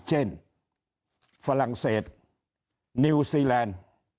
ฝรั่งเศสนิวซีแลนด์